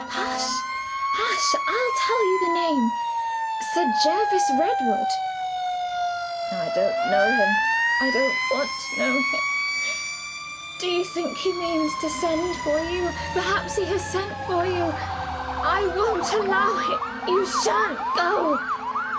"Hush! hush! I'll tell you the name. Sir Jervis Redwood." "I don't know him. I don't want to know him. Do you think he means to send for you. Perhaps he has sent for you. I won't allow it! You shan't go!"